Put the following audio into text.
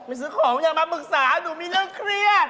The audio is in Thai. ซื้อของอย่ามาปรึกษาหนูมีเรื่องเครียด